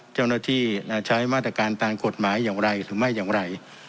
เจ้าหน้าที่ใช้มาตรการตามกฎหมายอย่างไรหรือไม่อย่างไร